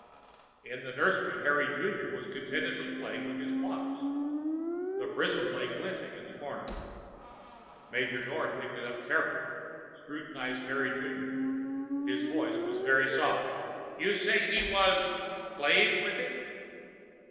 In the nursery, Harry Junior was contentedly playing with his blocks. The prism lay glinting in the corner. Major Nord picked it up carefully, scrutinized Harry Junior. His voice was very soft. "You said he was playing with it?"